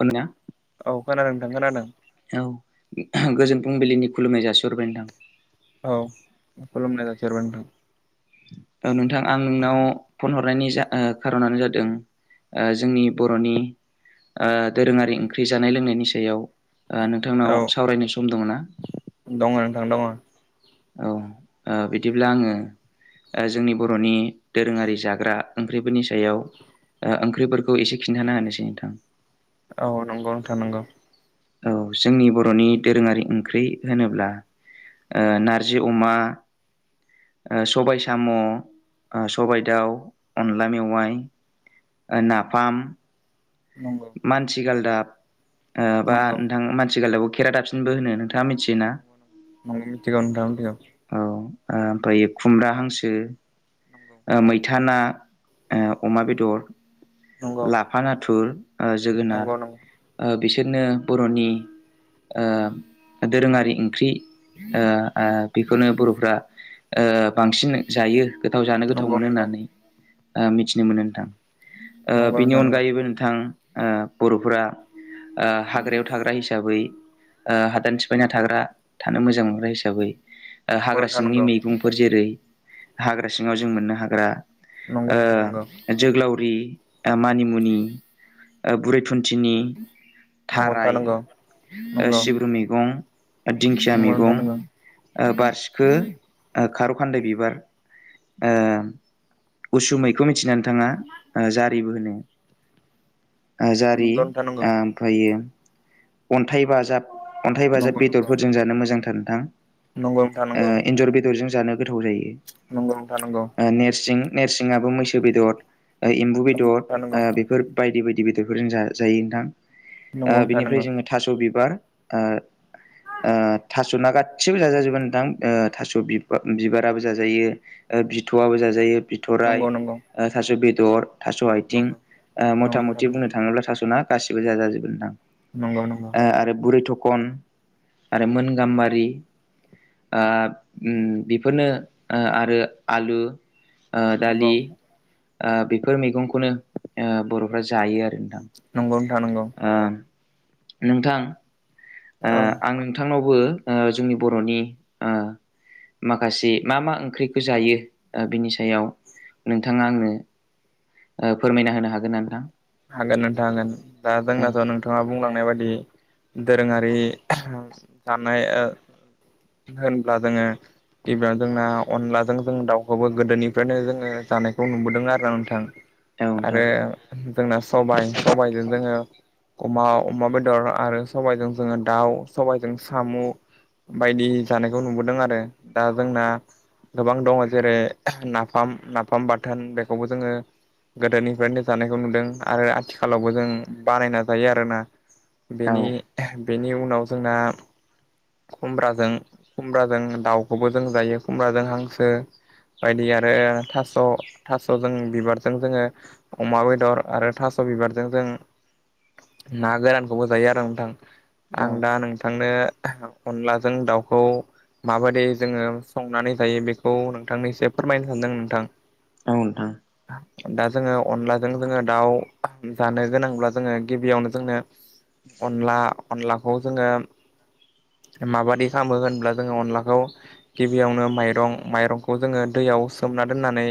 खोनाया औ खोनादों नोंथां खोनादों औ गोजोन फुंबिलिनि खुलुमनाय जासिहरबाय नोंथां औ खुलुमनाय जासिहरबाय नोंथां औ नोंथां आं नोंनाव फन हरनायनि जा खार'नानो जादों आ जोंनि बर'नि अ दोरोङारि ओंख्रि जानाय लोंनायनि सायाव आ नोंथांनाव औ सावरायनो सम दङ ना दङ नोंथां दङ औ आ बिदिब्ला आङो आ जोंनि बर'नि दोरोङारि जाग्रा ओंख्रिफोरनि सायाव आ ओंख्रिफोरखौ एसे खिन्थाना होनोसै नोंथां नंगौ नोंथां नंगौ औ जोंनि बर'नि दोरोङारि ओंख्रि होनोब्ला अ नारजि अमा आ सबाय साम' आ सबायाइ दाउ अनला मेवाइ आ नाफाम नंगौ मानसिगालदाब आ बा नंगौ नोंथां मानसि गालदाबखौ खेरा दाबसिनबो होनो नोंथाङा मिथियोना नंगौ नों नोंथां मिथिगौ। ओमफ्रायो खुमब्रा हांसो। नंगौ थाना अ अमा बेदर नंगौ लाफा नाथुर। आ जोगोनार नंगौ नंगौ आ बिसोरनो बर'नि ओ दोरोङारि ओंख्रि अ ओ बेखौनो बर'फ्रा ओ बांसिन जायो गोथाव जानो गोथाव नंगौ मोनो नंगौ होननानै आ मिथिनो मोनो नोंथां। ओ नंगौ बिनि नोंथां नंगौ अनगायैबो नोंथां आ बर'फोरा आ हाग्रायाव थाग्रा हिसाबै आ हादान सिफायना थाग्रा थानो मोजां हिसाबै नंगौ हाग्रा नोंथां सिंनि नंगौ मैगंफोर जेरै हाग्रा सिङाव जों मोननो हाग्रा नंगौ नोंथां नंगौ अ जोगोलावरि आ मानिमुनि आ बुरै थुन्थिनि नंगौ नोंथां थाराय अ सिब्रु मैगं अ दिंखिया मैगं। नंगौ आ बारसिखो आ खार'खान्दै बिबार अ उसुमैखौ मिथिनानै नोंथाङा आ जारिबो होनो। आ जारि नंगौ नंगौ नोंथां नंगौ आमफ्रायो अन्थाइ बाजाब अन्थाइ बाजाब नंगौ बेदरफोरजों जानो मोजांथार नोंथां। नोंथां नंगौ अ एन्जर बेदरजों जानो गोथाव जायो नंगौ अ नेरसिं नेरसिङाबो मैसो बेदर अ एम्बु बेदर नंगौ आ बेफोर बायदि बायदि बेद बेफोरजों जाजायो नोंथां। नंगौ। ओमफ्राय नंगौ जोङो थास' बिबार अ अ थास' ना गाैबो जाजाजोबो नोंथां अ थास' बिबा बिबाराबो जाजायो। अ बिथ'आबो जाजायो। बिथराय नंगौ नोंथां नंगौ नोंथां नंगौ नोंथां नंगौ नंगौ आ थास' बेदर थास' आइथिं नंगौ आ मथा नोंथां मथि बुंनो थाङोब्ला थास' ना गासिबो जाजाजोबो नंगौ नंगौ नोंथां आरो बुरै थ कन आरो मोन गाम्बारि आ ओम बेफोरनो आ आरो आलु आ नंगौ दालि ओ बैफोर मैगंखौनो ओ बर'फ्रा जायो आ नंगौ नोंथां नंगौ । नोंथां ओ औ आं नोंथांनावबो ओ जोंनि बर'नि ओ माखासे मा मा ओंख्रिखौ जायो ओ बिनि सायाव नोंथाङा आंनो ओ फोरमायना होनो हागोन ना नोंथां? हागोन नोंथां हागोन दा औ जोंनाथ' नोंथाङा बुंलांनाय बाददि दोरोङारि ओहम थानाय ओ होनब्ला जोङो गिबियावनो जोंना अनलाजों जों दाउखौबो गोदोनिफ्रायनो जोङो जानायखौ नुबोदों आरो ना नोंथां । औ नोंथां आरो जोंना सबाइ सबाइजों जोङो अमा अमा बेदर आरो सबाइजों जोङो दाउ सबाइजों सामु बायदि जानायखौ नुबोदों आरो दा जोंना गोबां दङ जेरै आह नाफाम नाफाम बाथोन बेखौबो जोङो गोदोनिफ्रायनो जानायखौ नुदों । आरो आथिखालावबो जों बानायना जायो आरोना औ बेनि आहाम बेनि उनाव जोंना खुमब्राजों खुमब्राजों दाउखौबो जों जायो खुमब्राजों हांसो बायदि आरो थास' थास'जों बिबारजों जोङो अमा बेदर आरो थास' बिबारजों जों ना गोरानखौबो जायो आरोना नोंथां । आं औ दा नोंथांनो आह अनलाजों दाउखौ माबायदि जोङो संनानै जायो बेखौ नोंथांनो एसे फोरमायनो सानदों नोंथां। औ नोंथां। दा जोङो अनलाजों जोङो दाउ जानो गोनांब्ला जोङो गिबियावनो जोंनो अनला अनलाखौ जोङो माबादि खालामो होनब्ला जोङो अनलाखौ गिबियावनो माइरं माइरंखौ जोङो दै याव सोमना दनानै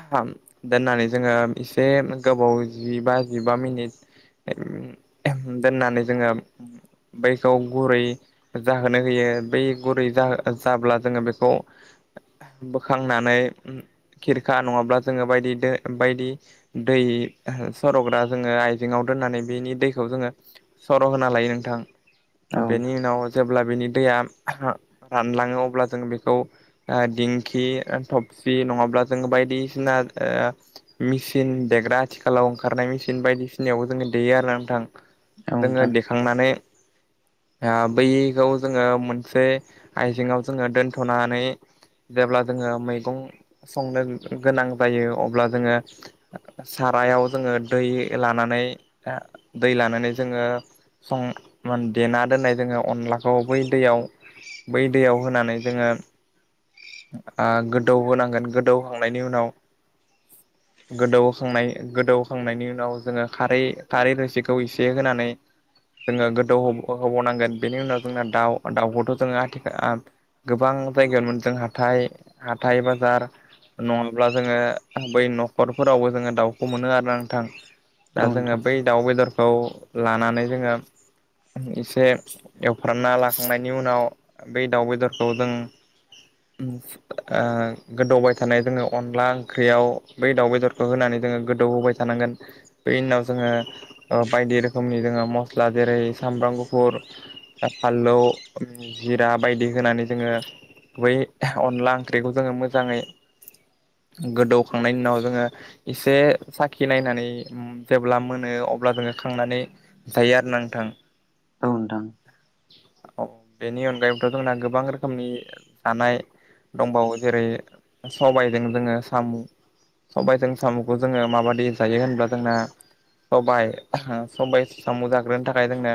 आहाम दोननानै जोङो इस बे गोबाव जिबा जिबा मिनिट एम एहेम दोननानै जोङो बैखौ गुरै जाहोनो होयो बै गुरै जाहो जाब्ला जोङो बेखौ आह बोखांनानै ओहम खिरखा नङाब्ला जोङो बायदि दो बायदि दै ओह सर'ग्रा जोङो आयजेंआव दोननानै बिनि दैखौ जोङो स औ नोंथां औ बेनि उनाव जेब्ला बिनि दैया रानलाङो अब्ला जों बेखौ ओ दिंखि ओ थबसि नङाब्ला जोङो बायदिसिना ओ मिसि चिन देग्रा आथिखालाव ओंखारनाय मेचिन बायदि सिनायावबो जोङो देयो आरोना नोंथां। जोङो नोंथां देखांनानै ओ बैखौ जोङो मोनसे आइजेङाव जोङो दोनथ'नानै जेब्ला जोङो मैगं संनो गोनां जायो अब्ला जोङो सारायाव जोङो दै लानानै आ दै लानानै जोङो सं मान देना दोननाय जोङो अनलाखौ बै दैयाव बै दैयाव होनानै जोङो ओ गोदौहोनांगोन गोदौखांनायनि उनाव [inaudible] गोदौखांनाय गोदौखांनायनि उनाव जोङो खारै खारै रोसिखौ एसे होनानै जोङो गोदौ होब होबावनांगोन बेनि उनाव जोंना दाउ दाउखौथ' जोङो आथिखा आ गोबां ङ जायगायावनो मोनदों जों हाथाइ हाथाइ बाजार नङाब्ला जोङो बै न'खरफोरावबो जोङो दाउखौ मोनो आरोना नोंथां। दा जोङो बै दाउ बेदरखौ लानानै जोङो एसे एवफ्रामना लाखांनायनि उनाव बै दाउ बेदरखौ जों [inaudible] उम ओ गोदौबाय थानाय जोङो अनला ओंख्रियाव बै दाउ बेदरखौ होनानै जोङो गोदौ होबाय थानांगोन बे उनाव जोङो बायदि रोखोमनि जोङो मस्ला जेरै सामब्राम सामब्राम गुफुर फानलौ जिरा बायदि होनानै जोङो गुबै अनला ओंख्रिखौ जोङो मोजाङै गोदौखांनायनि उनाव जोङो एसे साखि नायनानै जेब्ला मोनो अ अब्ला जोङो खांनानै जायो आरोना नोंथां। औ औ बेनि अनगायैबोथ' जोंना गोबां रोखोमनि जानाय दंबावो जेरै सबायजों जोङो साम' सबायजों साम'खौ जोङो माबादि जायो होनब्ला जोंना सबाय सबाय साम' जाग्रोनो थाखाय जोंनो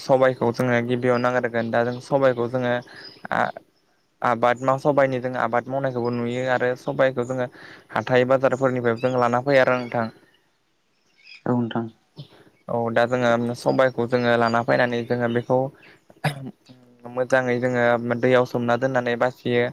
सबायखौ जोङो गिबियाव नांग्रोगोन दा जों सबाइखौ जोङो आ आबाद मा सबायनि जोङो आबाद मावनायखौबो नुयो आरो सबायखौ जोङो हाथाइ बाजारफोरनिफ्रायबो जों लाना फैयो। [unintelligible] नोंथां [inaudible] औ नोंथां। औ दा जोङो सबायखौ जोङो लाना फैनानै जोङो बेखौ मोजाङै जोङो दैयाव सोमना दोननानै बासि यो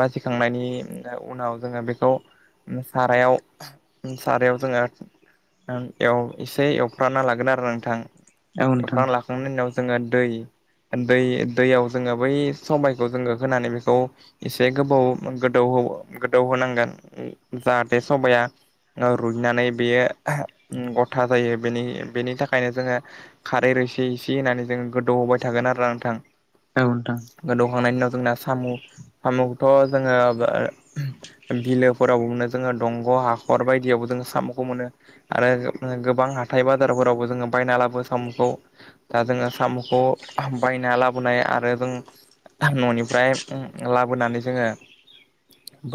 बासिखांनायनि उनाव जोङो बेखौ सारायाव सारायाव जोङो ओं एसे एवफ्रानना लागोन आरो नोंथां औ नोंथां औ नोंथां एवफ्राना लाखांनायनि उनाव जोङो दै दै दैयाव जोङो बै सबायखौ जोङो होनानै बेखौ एसे गोबाव गोदौ गोदौ होनांगोन जाहाथे सबाया रुइनानै बेयो गथा जायो बेनि बेनि थाखायनो जोङो खारै एसे एसे होननानै जोंङो गोदौ होबाय थागोन आरोना नोंथां औ नोंथां खांनायनि उनाव जोंना साम' साम'खौ जोङो बिलोफोराव मोनो जोङो दंग' हाखर बायदियावबो साम'खौ मोनो आरो गोबां हाथाय बाजारफोरावबो जोङो बायना लाबो साम'खौ दा जोङो साम'खौ बायना लाबोनाय आरो जों न'निफ्राय लाबोनानै जोङो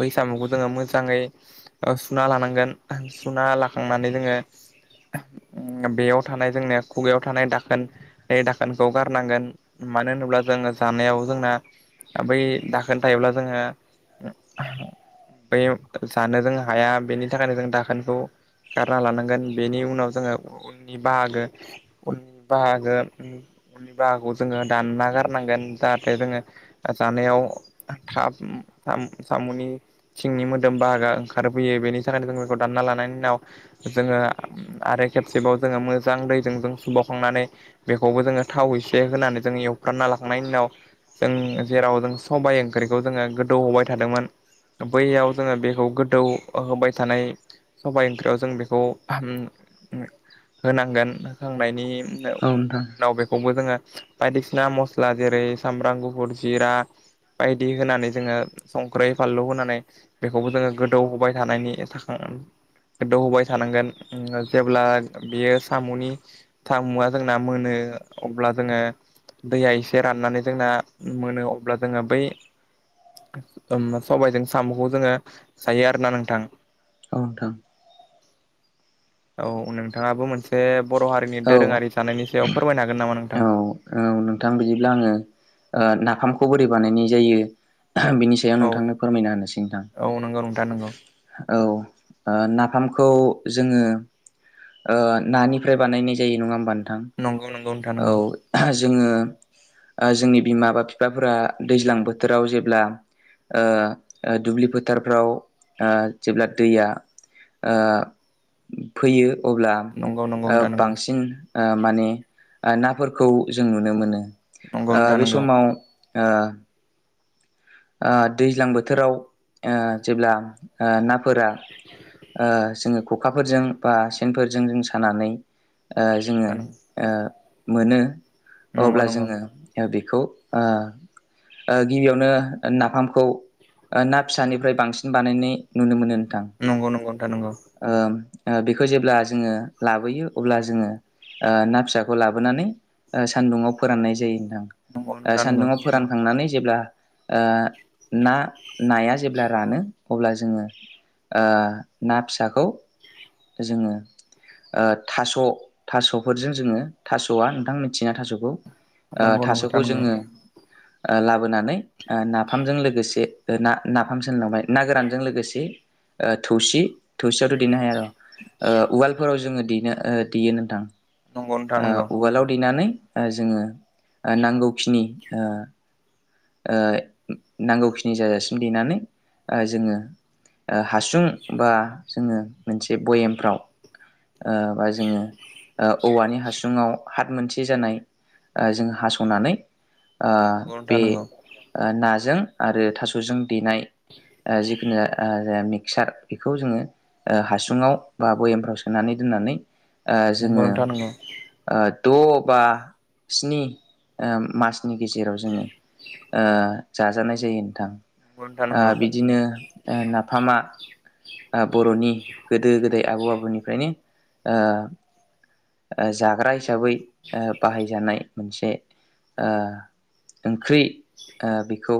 बैसागुखौ जोङो मोजाङै सुना लानांगोन सुना लाखांनानै जोङो [inaudible] बेयाव थानाय जोंनिया खुगायाव थानाय दाखोन बे दाखोनखौ गारनांगोन मानो होनोब्ला जोङो जानायाव जोंना बै दाखोन थायोब्ला जोङो बै जानो जों हाया बेनि थाखायनो जों दाखोनखौ गारना लानांगोन बेनि उनाव जोङो उननि बाहागो उननि बाहागो उननि बाहागोखौ जोङो दानना गारनांगोन जाहाथे जोङो जानायाव थाब साम'नि सिंनि मोदोम बाहागोया ओंखारफैयो बेनि थाखायनो जोङो रानना लानायनि उनाव जोङो आरो खेबसेबाव जोङो मोजां दैजों जों सुबावखांनानै बेखौबो जोङो थाव इसे होनानै जों एवफ्रानना लाखांनायनि उनाव जों जेराव जों सबाय ओंख्रिखौ जोङो गोदौ होबाय थादोंमोन बैयाव जोङो बेखौ गोदौ होबाय थानाय सबाय ओंख्रियाव जों बेखौ होम होनांगोन होखांनायनि औ नोंथां औ नोंथां उनाव बेखौबो जोङो बायदिसिना मस्ला जेरै सामब्राम गुफुर जिरा बायदि होनानै जोङो संख्रै फानलु होनानै बेखौबो जोङो गोदौ होबाय थानायनि [inaudible] गोदौ होबाय थानांगोन जेब्ला बेयो साम'नि थामुआ जोंना मोनो अब्ला जोङो दैया एसे राननानै जोंना मोनो अब्ला जोङो बै सबायजों साम'खौ जोङो जायो आरोना नोंथां औ नोंथां औ नोंथाङाबो मोनसे बर' हारिनि औ दोरोङारि जानायनि सायाव फोरमायनो हागोन नामा औ नोंथां औ नोंथां बिदिब्ला आङो नाफामखौ बोरै बानायनाय जायो बिनि सायाव औ नोंथांनो फोरमायना होनो सै नोंथां औ नंगौ नोंथां नंगौ औ नाफामखौ जोङो नानिफ्राय बानायनाय जायो नङा होमबा नोंथां नंगौ नंगौ नोंथां नंगौ औ जोङो जोंनि बिमा बा बिफाफोरा दैज्लां बोथोराव जेब्ला दुब्लि फोथारफ्राव जेब्ला दैया ओ फैयो अब्ला नंगौ नंगौ नोंथां बांसिन माने नाफोरखौ जों नुनो मोनो बे नंगौ समाव दैज्लां बोथोराव जेब्ला ना फोरा ओ जोङो खखाफोरजों बा सेनफोरजों जों सानानै नंगौ जोङो नोंथां मोनो अब्ला नंगौ नंगौ जोङो बे बेखौ गिबियावनो नाफामखौ ना फिसानिफ्राय बांसिन बानायनाय नुनो मोनो नोंथां नंगौ नंगौ दा नंगौ ओ बेखौ जेब्ला जोङो लाबोयो अब्ला जोङो ना फिसाखौ लाबोनानै सान्दुुंआव फोराननाय जायो होनथां नोंथां नंगौ सान्दुुंआव फोरानखांनानै जेब्ला ना नाया जेब्ला रानो अब्ला जोङो ना फिसाखौ जोङो थास' थास'फोरजों जोङो थास'आ नोंथांमोन मिथिना थास'खौ नंगौ नोंथां थास'खौ नंगौ जोङो लाबोनानै नाफामजों लोगोसे ना नाफाम सोहोनलांबाय ना गोरानजों लोगोसे थौसि थौसियावथ' देनो हाया र' उवालफोराव जोङो दनो देयो नोंथां नंगौ नोंथां नंगौ नानै जोङो नांगौखिनि नांगौखिनि जाजासिम देनानै जोङो हासुं बा जोङो मोनसे भयेमफ्राव बा जोङो औवानि हासुङाव हाथ मोनसे जानाय जों हास'नानै बे नंगौ नाजों आरो थास'जों देनाय जिखुनु मिक्सार बेखौ जोङो हासुङाव बा बयेमफ्राव सोनानै दोन दोननानै ओ नंगौल जोङो ननोथा नोङो ओ द' बा स्नि मासनि गेजेराव जोङो जाजानाय जायो नोंथां बिदिनो नाफामा बर'नि गोदो गोदाय आबौ आबौनिफ्रायनो जाग्राय हिसै बाहायजानाय मोनसे ओंख्रि बेखौ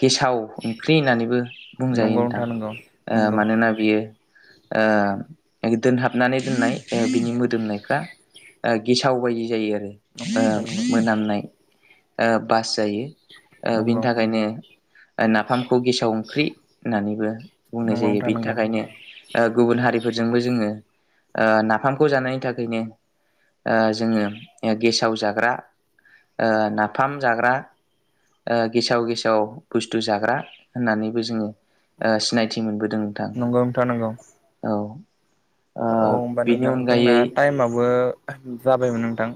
गेसाव ओंख्रि होननानैबो बुंजायो नंगौ नोंथां नंगौ नंगौ मानोना बियो दोनहाबनानै दोननाय बिनि मोदोमनायफ्रा गेसाव बायदि जायो आरो नंगौ नोंथां नंगौ मोनामनाय बास जायो बिनि नंगौ थाखायनो नाफामखौ गेसाव ओंख्रि होननानैबो बुंनाय जायो बेनि थाखायनो गुबुन हारि बो जोङो नाफामखौ जानायनि थाखायनो जोङो गेसाव जाग्रा नाफाम जाग्रा गेसाव गेसाव बुस्थु जाग्रा होननानैबो जोङो सिनायथि मोनबोदों नोंथां नोंथां नंगौ औ। ओ औ होमबा बेनि नोंथां जोंना अनगायै टाइमाबो जाबायमोन नोंथां।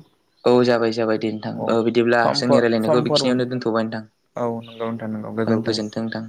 औ जाबाय जाबाय दे नोंथां औ बिदिब्ला समफोर जोंनि रायज्लायनायखौ समफोर बेखिनियावनो दोनथ'बाय नोंथां। औ नंगौ नोंथां नोंगौ औ गोजोन्थों। नोंथां